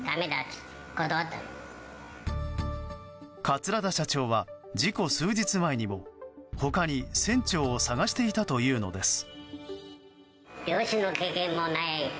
桂田社長は事故数日前にも他に船長を探していたというのです。